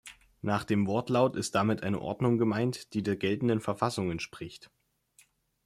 Nach dem Wortlaut ist damit eine Ordnung gemeint, die der geltenden Verfassung entspricht.